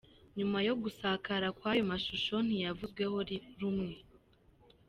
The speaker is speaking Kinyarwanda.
Nyuma yo gusakara kwayo mashusho ntiyavuzweho rumwe